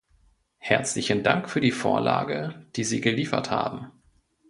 Herzlichen Dank für die Vorlage, die Sie geliefert haben.